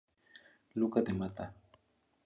Luca de Mata.